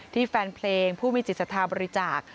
ที่แฟนเพลงผู้มีจิตสาธารณ์บริจาค